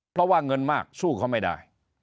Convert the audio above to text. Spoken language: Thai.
เพราะว่าเงินมากสู้เขาไม่ได้